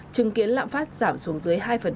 chứng kiến lạm phát giảm xuống dưới hai